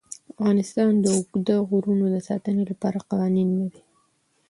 افغانستان د اوږده غرونه د ساتنې لپاره قوانین لري.